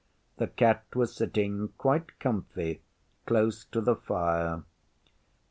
the Cat was sitting quite comfy close to the fire.